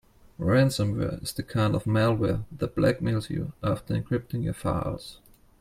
Ransomware is the kind of malware that blackmails you after encrypting your files.